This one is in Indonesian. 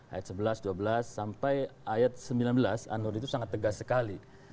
ayat sebelas dua belas sampai ayat sembilan belas anwar itu sangat tegas sekali